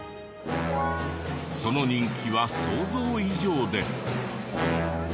その人気は想像以上で。